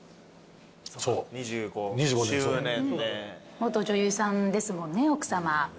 元女優さんですもんね奥さま。